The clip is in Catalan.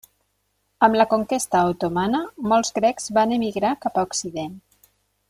Amb la conquesta otomana, molts grecs van emigrar cap a Occident.